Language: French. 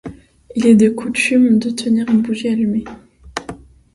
Il est de coutume de tenir une bougie allumée.